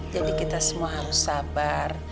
jadi kita semua harus sabar